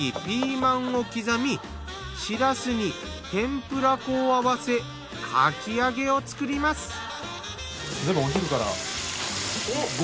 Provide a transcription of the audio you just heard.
ピーマンを刻みシラスに天ぷら粉を合わせかき揚げを作ります。